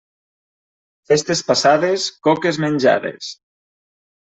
Festes passades, coques menjades.